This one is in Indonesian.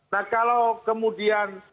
nah kalau kemudian